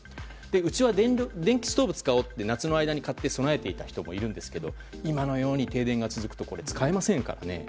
うちは電気ストーブを使おうと夏の間に買って備えている人もいるんですが今のように停電が続くと使えませんからね。